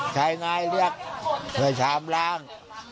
ใช้ง่ายเรียกเผื่อชามร้าง